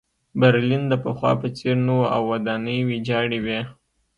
برلین د پخوا په څېر نه و او ودانۍ ویجاړې وې